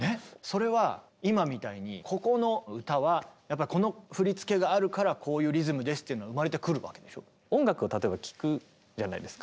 それは今みたいにここの歌はやっぱこの振り付けがあるからこういうリズムですっていうのは生まれてくるわけでしょ？